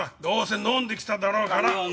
どうせ飲んできただろうがな。